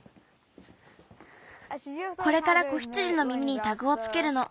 これから子羊の耳にタグをつけるの。